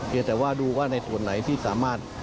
แต่ว่าดูว่าในส่วนไหนที่สามารถ